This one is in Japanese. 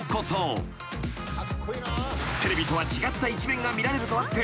［テレビとは違った一面が見られるとあって］